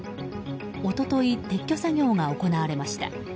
一昨日、撤去作業が行われました。